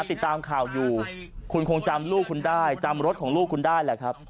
ติดตามข่าวอยู่คุณคงจำลูกคุณได้จำรถของลูกคุณได้แหละครับ